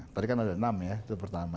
tadi kan ada enam ya itu pertama